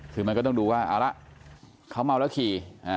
คือมันก็ต้องดูว่าเอาละเขาเมาแล้วขี่